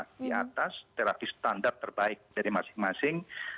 di atas terapi standar terbaik dari masing masing